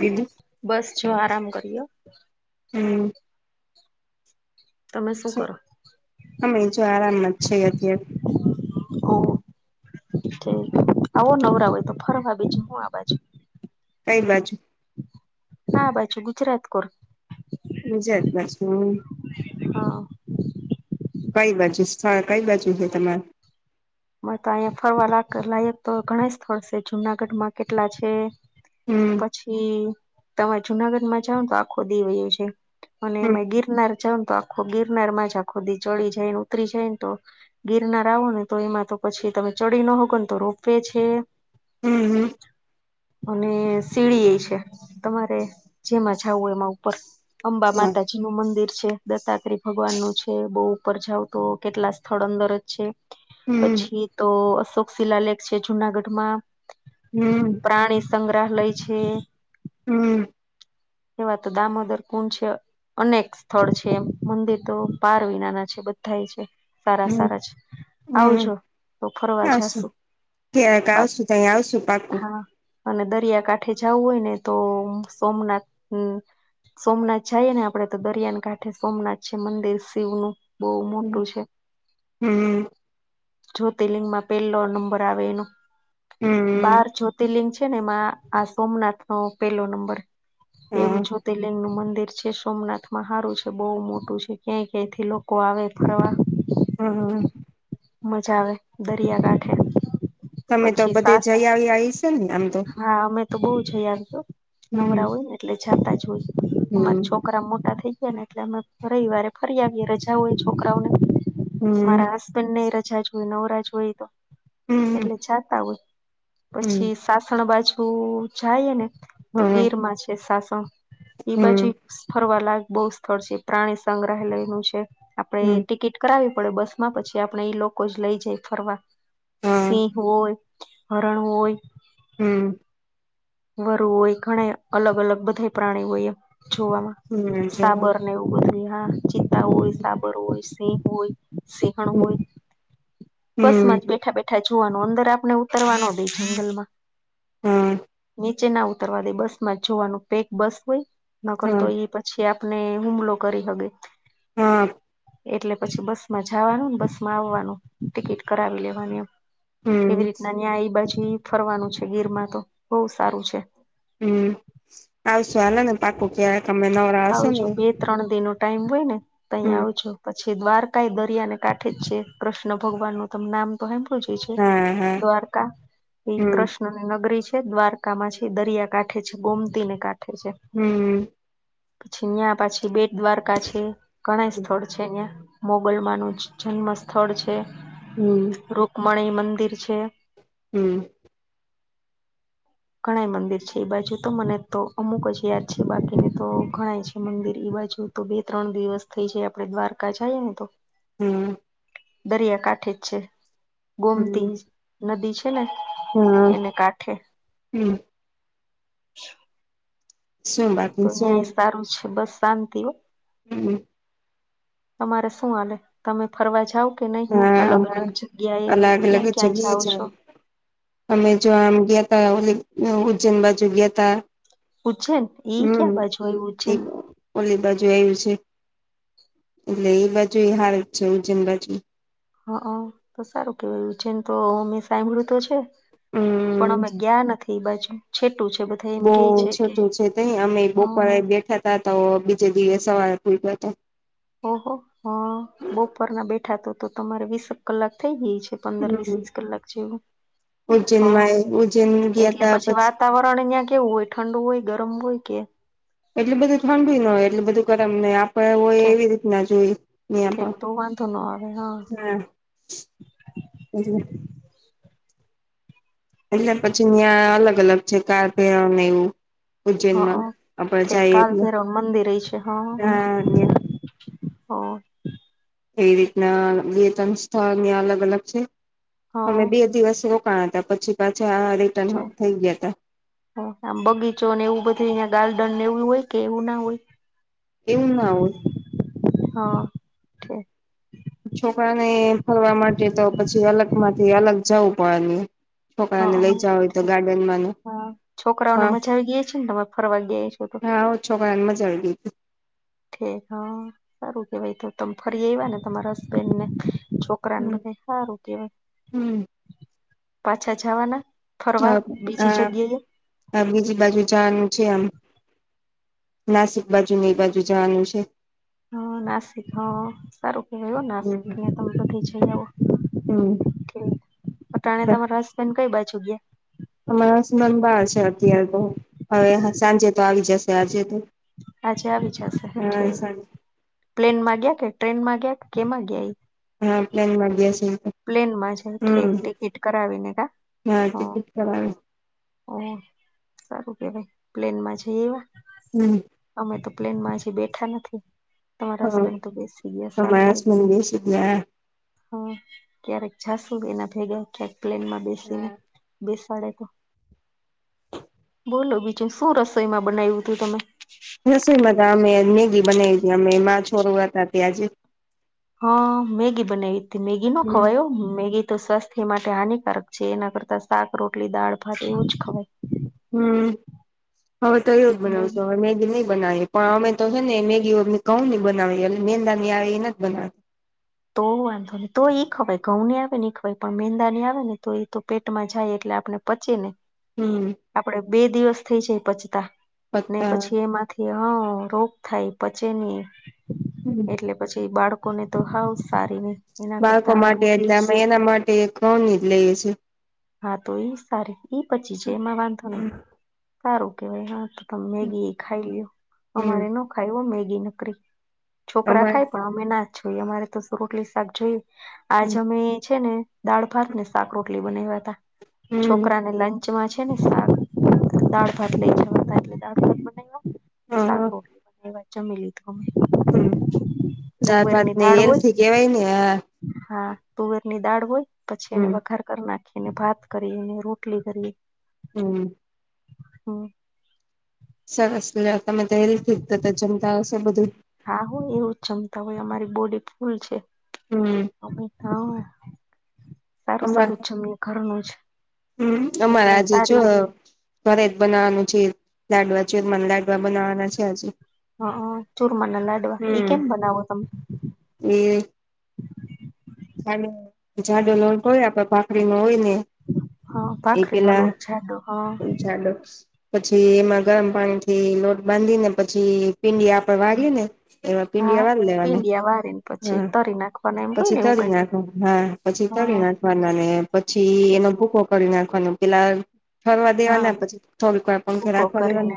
બીજું. બસ જો આરામ કરીયો. હમ્મ. તમે શું કરો અમે જો આરામમાં જ છીએ અત્યારે. ઓ [unintelligible] તે આવો નવરા હોય તો, ફરવા આવી છું, હું આ બાજું. કઈ બાજુ? આ બાજુ ગુજરાત કોર. ગુજરાત બાજું. હા. કઈ બાજુ સ્થળ? કઈ બાજુ હે તમાર માતો અહીયા ફરવા લાક-લાયક તો ઘણાય સ્થળ છે, જુનાગઢમાં કેટલા છે? હમ્મ. પછી તમે જુનાગઢમાં જાવને તો, આખો દી વયો છે. હમ અને ગિરનાર જાઓ તો આ ગિરનારમાં જ આખો દી ચડી જાય ને, ઉતરી જાય ને, તો ગિરનાર આવો ને. તો એમાં તો પછી તમે ચડી નો હકો ને તો રોપવે છે. [inaudible] અને શીડીએ છે, તમારે જેમાં જાવું, એમાં ઉપર અંબા હા માતાજી નું મંદિર છે, દત્તાત્રી ભગવાન નું છે, બહુ ઉપર જાવ તો કેટલા સ્થળ અંદર જ છે. હમ પછી તો અશોક શિલાલેેક છે જુનાગઢમાં. હમ્મ. પ્રાણી સંગ્રહાલય છે. હમ એવા તો દામોદર [unintelligible] અનેક સ્થળ છે, એમ મંદિર તો પાર વિના છે, બધાય છે. સારા હમ સારા છે, હમ આવજો. તો ફરવા આવશું જાશું, ક્યારેક બા આવશું તઈ આવશું પાકું હા. અને દરિયાકાંઠે જાવું હોય ને, તો સોમનાથ. હમ્મ, સોમનાથ જાઈએ ને આપડે તો, દરિયાન કાંઠે સોમનાથ છે, મંદિર શિવનું બહુ હમ મોટું છે. હમ જ્યોતિર્લિંગમાં પેલ્લો નંબર આવે, એનો હમ બાર જો શિવર્લિંગ છે ને, એમાં આ સોમનાથનો પેલો નંબર. હા એવું જ્યોતિર્લિંગનું મંદિર છે સોમનાથમાં હારું છે બહુ મોટું છે ક્યાં ક્યાંથી લો કો આવે ફરવા. હમ હ મજા આવે દરિયાકાંઠે તમે તો પછી બધે સાસ જઈ આવી આવી છે ને આમ તો હા અમે તો બહુ જિયા તો હમ નવરા હોય ને એટલે જાતા જ હોય હમ અમારા છોકરા મોટા થઈ ગયાને. એટલે અમે રવિવારે ફરીઆવીએ રજા હોય છોકરાઓને હમ મારા હસ બન્ડને રજા જ હોય નવરાજ હોય એતો હમ એટલે જાતા હોય. હમ પછી સાસણ બાજુ જાયને તો હા ગીરમાં છે સાસણ. ઈ બાજુ હમ ફરવા લાયક બહુ સ્થળ છે પ્રાણી સંગ્રહાલયનું છે, હમ આપડે ટિકિટ કરાવવી પડે બસ માં પછી આપણેે ઈ લોકો જ લઈ જાય ફરવા હા સિંહ હોય. હરણ હોય, હમ વરુ હોય ઘણે અલગ- અલગ બધા પ્રાણી હોય એમ જોવામાં. હમ જો સાબર ને એવું બધું હા ચિત્તા હોય, સાબર હોય સિંહ હોય, સિંહણ હોય, હમ બસમાં હમ જ બેઠા બે ઢા જોવાનું અંદર આપણે ઉતરવાનો દે, જંગલમાં હ નીચે ના ઉતરવા દે, બસ માં જોવાનું પેક બસ હોય ન હા કરતો એ પછી, પછી આપને હુમલો કરી હગે. હા એટલે પછી બસમાં જાવાનુંને બસ માં આવવાનું ટિકિટ કરાવી લેવાની એમ, હમ એવી રીતના ન્યાં એ બાજુ ફરવાનું છે, ગીરમાં તો બઉ સારું છે. હમ આવસું હાલોને, પાકું ક્યા આવજો બે ત્રણ દિનો ટાઈમ હોય ને તયી હમ આવજો પછી દ્વારકા એ દરિયાને કાંઠે જ છે, કૃષ્ણ ભગવાનનું તમ નામ તો હાભળ્યું. છે, હા હા દ્વારકા એ હમ કૃષ્ણ‌. નગરી છે, દ્વારકામાં છે, દરિયા કાંઠે છે, ગોમતી ને કાંઠે છે. હમ પછી ન્યાં પછી બેટ દ્વારકા ઘણાય સ્થળ છે, ઇયા મોગલમાંનું જ જન્મ સ્થળ છે. હમ મણિ મંદિર છે. હમ ઘણાય મંદિર છે, એ બાજુતો મને તો અમુક જ યાદ છે, બાકીને તો ઘણાય છે, મંદિર એ બાજુ તો બે-ત્રણ દિવસ થઈ જાય આપડે દ્વારકા જઈએ નેતો. હમ દરિયાકાંઠે જ છે, હમ ગોમતી નદી છે, ને હમ એને કાંઠે હ [inaudible] શું બાકી તો શું ન્યાય સારું છે, બસ શાંતિઓ. હમ તમારે શું હાલે? તમે ફરવા જાઓ કે નહીં હા અલગ- અમારે અલગ જગ્યાએ અલગ અલગ ક્યાં ક્યાં જગ્યાએ જાઓ જાવ છો? અમે જો આમ ગ્યતા ઓલી ઉજ્જૈન બાજુ ગ્યતા. ઉજ્જૈન એ ક્યાં બાજુ આયવું છે. એ ઓલી બાજુ આયવું છે, એટલે એ બાજુ એ હારુ જ છે ઉજ્જૈન બાજુ. હ અ તો સારું કેવાયું, ઉજ્જૈન તો અમે સાંભળું તો છે. હમ પણ અમે ગ્યા નથી એબાજુ છેટું છે, બધ બોવ છેટું છે, તય અમે હ બપોરે બેઠા હતા તો બીજે દિવસ સવારે પૂયગા અતા. ઓહો હ બોપોરના બેઠા તોતો તમારે વીસેક કલાક થઈ ગય છે. પંદર વીસ હમ કલાક જેવું. હ ઉજ્જૈનમાં એ ઉજ્જૈન ગયા એટલે તા પછી વાતાવરણ અય્યા કેવું હોય, ઠંડુ ઓય ગરમ હોય કે, એટલી બધું ઠંડી ન ઓય એટલે બધું ગરમને આમ, પણ [unintelligible] ઠેક એવી રીતના જોઈ [inaudible] પણ ઠેક તો વાંધો ન આવે હા, [inaudible] એટલે એટલે પછી અય્યા અલગ અલગ છે, કાર પે [unintelligible] એવું. ઉજ્જૈનમાં હા આપડે ઠે જાઈએ કાલ એટલે ભૈરવ [unintelligible] હ એવી રીતના વેતન સ્થળ અય્યા અલગ અલગ છે હા અમે બે દિવસ રોક [unintelligible] તો પછી પાછા રિટર્ન છે થઈ ગયા અતા. આમ બગીચો ને એવું બધુ અયા ગાર્ડન ને એવું એવું ઓય કે એવુ ના હોય. એવુ ના ઓઈ, હ ઓક છોકરાને ફરવા માટે તો પછી અલગ માંથી અલગ જવું પડે. હ છોકરાને લઈ જવા હોય તો ગાર્ડન માં હા છોકરાઓને હા મજા આવી ગેઈ છે ને તમે ફરવા ગેય, [inaudible] હા છોકરાને મજા આવી ગેઈ તો. હ સારું કેવાય તો તમે ફરી આયવાને તમારા હસબન્ડ ને છોક છોકરા ને હમ બધા સારું કેવાય, હમ પાછા જાવાના? ફરવા બીજી જગ્યાએ. આમ બીજી બાજુ જવાનું છે, આમ નાસિક બાજુ ને એબાજુ જવાનું છે. હ નાસિક હ સારું કેવાય, નાસિક ને હમ તમે બધે જય આવો. [unintelligible] [unintelligible] તમારા હસબેંડ કઈ બાજુ ગ્યા. અમારા હસબન્ બાર છે અત્યારે તો, અવે સાંજે તો આવી જશે આજે તો. આજે આવી જશે, હા ઠીક સાંજે પ્લેનમાં ગ્યા કે ટ્રેનમાં ગ્યા કે કેમા ગ્યા એ, હા [unintelligible] ગ્યા છે, એતો પ્લેનમાં છે ઠીક ટિકિટ કરાવીને હ. હા [unintelligible] ટિકિટ કરાવી [unintelligible] સારું કેવાય પ્લેનમા જઈ આયવા. [unintelligible] અમે તો પ્લેનમાં અજી બેઠા નથી. તમારા હા હસબેન્ડ તો બેસી અમારા હસબન્ડ બેસી ગ્યા એમ. હા ક્યારેક જાશુ એના ભેગા ક્યાંક પ્લેનમાં બેસીને. હા બેસાડે તો, બોલો બીજુ શું રસોઈમાં બનાયવુ તુ તમે, રસોઈમાં અતા અમે મેગી બનાવી અતી અમે મારા છોરો હતા ત્યા આજે. હ મેગી બનાવી અતી મેગીમા હમ ખવાયુ [unintelligible] મેગી. તો સ્વાસ્થ્ય માટે હાનિકારક છે એના કરતા શાક રોટલી દાળ ભાત એવું જ ખવાય હમ હવે તો એવુજ ખવાય બનાવશો હવે મેગીની બનાવી પણ અમે તો છે ને મેગી કઉ હી બનાવી એટલે મેંદા ની આવે એ ના જ બનાવે તો વાંધો નહી તો ઈ ખવાય ઘઉં ની આવે ને ખવાય પણ મેંદા ની આવે ને તો એ તો પેટમાં જાય એટલે આપણે પચેને હમ આપડે બે દિવસ થઈ જાય પચતા ને પત્તા પછી એમાંથી હા રોગ થાય પચેની હમ એટલે પછી બાળકોને તો હાવ સારી નહી એના બાળકો કરતા માટે રોટલી અમે એના માટે ઘવનીજ લઈએ છીએ હા તો ઈ સારી ઈ પચી જાઈ એમાં વાંધો નહી સારું કેવાય હા તો ત મેગી એ ખાઈ લ્યો હમ અમારે ન ખાયો મેગી નકરી છોકરા અમારે ખાય પણ અમે ના જ જોઈએ અમારેતો સુ રોટલી શાક જોઈએ આજ અમે છે ને દાળ ભાતને શાક રોટલી બનાવ્યા હતા હમ છોકરાને લંચ મા છેને દાળભાત લઇ જવા હતા એટલે દાળભાત બનાઇવા શાક હા રોટલી કેવાઈ જમી લીધું હમ અમે દાળ ભાત તૂવરની ને દાળ હોય હેલ્થી કેવાય ને હા હા તુવેર ની દાળ હોય પછી એને હમ વઘાર કર ના એને ભાત કરીએ ને રોટલી કરીએ હં હં સરસ લ્યો તમે તો હેલ્થુ તો જમતા હશો બધું હા હો એવું જમતા હોય અમારી બોડી ફૂલ છે હમ અમે હં સારું સારું જમવુ ઘરનું જ હં એટલે અમારા આજે જો સારી રે ઘરે દ બનાવાનું છે લાડવા ચુરમા લાડ બનાવાના છે આજે હ ચૂરમા ના લાડવા ઈ હં કેમ બનાવો તમે [unintelligible] એ જાળો જાડો લોટ હોય આપ ભાખરી નો હોય ને હં એ ભાખરીનો પેલા લોટ જાડો હં જાડો પછી એમાં ગરમ પાણી થી લોટ બાંદી ને પછી પીંડીયા આપ વારિયે ને એવા પિંડિયા વાર લેવાના હં તિ નાખવાના એમ હોય ને એવું તડી કઈક નાખવા હા પછી હા તરી નાખવાનાને પછી છે એમા ભૂકો કળી નાખવાનું પેલા ઠરવા હા દેવાના પછી થોરીક પંખે ભૂકો રાખવા દેવાનું કરીને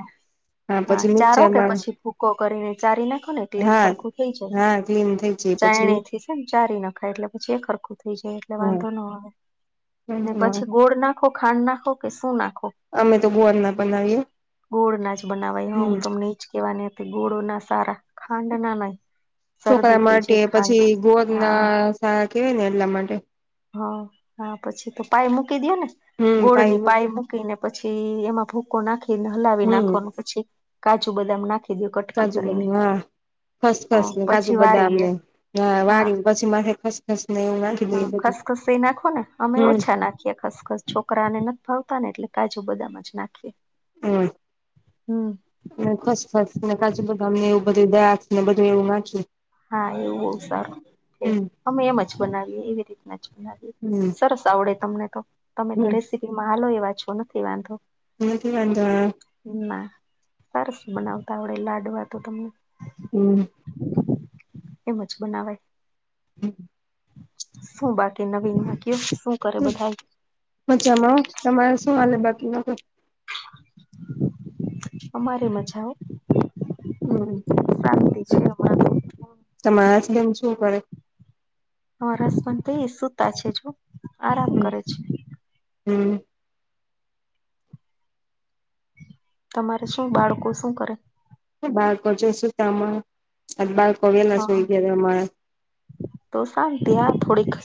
હા પછી ચારો મીકચર કે મા પછી ભૂકો કરીને ચારી નાખો ને એટલે એક હા હરખું થઈ હા [unintelligible] ચે પછીની હેન ચારી નખાય એટલે પછી એકહરખું થઈ જાય એટલે વાંધો નો આવે ને પછી ગોળ નાખો ખાંડ નાખો કે શું નાખો અમે તો ગોળ ના બનાવીએ ગોળ ના જ બનાવાય હા હું હમ તમને ઇચ કેવાની હતી ગોળો ના સારા ખાંડ ના નય શરદી ચોકરા થઈ માટે જાય ખાંડ પછી થી ગોળ હા ના સારા કેવાય ને એટલા માટે હં હ પછી તો પાય મૂકી દયો ને હમ પાઈ ગોળની પાાય મુ કિને પછી એમાં ભૂકો નાખીને હલાવી હમ નાખવાનું પછી કાજુ બદામ નાખી દયો કટકી કાજું કરીને [unintelligible] હા ખસ ખસ હા ને પછી કાજું વારી બદામને લ્યો હા વાળી પછી માહે ખસ ખસ ને. હ, દઈએ બધું ખસખસ નાખો ને, અમે હમ ઓછા નાખીયે ખસખસ. છોકરાને નત ભાવતા ને, એટલે કાજુ-બદામ જ નાખીએ. અંહ. હમ ને ખસ ખસ ને, કાજું-બદામ એવું બધું દ્રાક્ષ ને, બધું એવું નાખ્યે. હા, એવું બોવ સારું એ અમે ચ બનાવીએ, એવી રીતના બનાવીએ હમ સરસ. તાવડે તમને તો તમે તો હમ રેસીપી માં હાલો એવા છો નથી વાંધો. નથી વાંધો. ન્ના સારસ બનાવતા આવડે લાડવા તો, તમને હં. એમ ચ બનાવાય. [inaudible] શું બાકી નવીન મા કયો શું કરે બધાય? મચામાં હો, તમારે શું હાલે બાકી? અમારે મજા હો. [unintelligible] શાંતિ છે ઓ. તમારા હસબન શું કરે? હસ્બેડન ઇ સુતા છે, જો આરામ હમ કરે છે. હમ. તમારે શું બાળકો શું કરે? જો સુતામાં બાળકો વેલા હા સુઈ ગયા અમારે. તો શાંતિ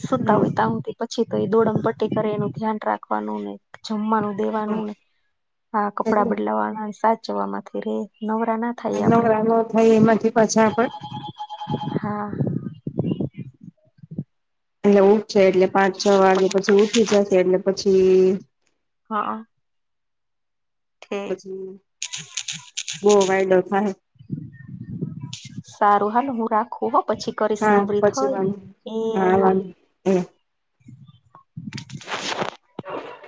સુતા હમ હોય, ત્યાં સુધી. પછી તો એ દોડંગપટ્ટી કરે, એનું ધ્યાન રાખવાનું ને, ઝુમવાનું. દેવાનુંને આ કપડા એટલે બદલાવાના સાચવાથી રે, નવરા ના. થાય આય આપડે નવરાનો થાય, એમાંથી પાછા પણ હા. એટલે ઉઠશે એટલે પાંચ છ વાગે, પછી ઊઠી જશે, એટલે પછી હા. ઠીક પછી બહુ વાઈડો થાય. સારું હાલ, હું રાખું હો પછી. કરીશ હા પ, નવરી છી થઈ વા ને એ હા વા [inaudible]